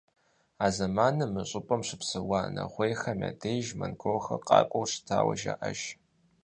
А зэманым мы щӀыпӀэхэм щыпсэуа нэгъуейхэм я деж монголхэр къакӀуэу щытауэ жаӀэж.